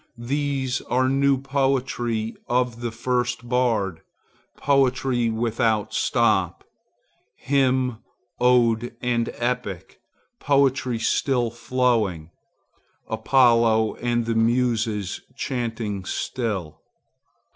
These are new poetry of the first Bard,—poetry without stop,—hymn, ode and epic, poetry still flowing, Apollo and the Muses chanting still.